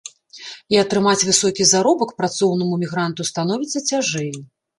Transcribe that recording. І атрымаць высокі заробак працоўнаму мігранту становіцца цяжэй.